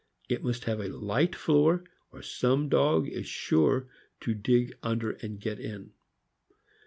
It must have a light floor, or some dog is sure to dig under and get in.